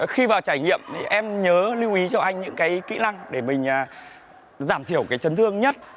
khi vào trải nghiệm thì em nhớ lưu ý cho anh những cái kỹ năng để mình giảm thiểu cái chấn thương nhất